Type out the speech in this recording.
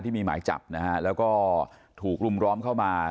ที่มีหมายจับนะฮะแล้วก็ถูกรุมร้อมเข้ามา